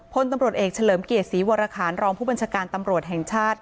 พลตำรวจเอกเฉลิมเกียรติศรีวรคารรองผู้บัญชาการตำรวจแห่งชาติ